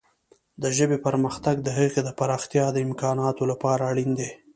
د ژبې پرمختګ د هغې د پراختیا د امکاناتو لپاره اړین دی.